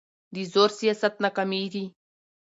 د زور سیاست ناکامېږي